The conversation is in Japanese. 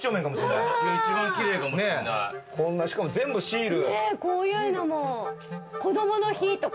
しかも全部シール。